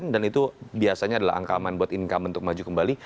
dan itu biasanya adalah angka aman untuk income untuk maju kembali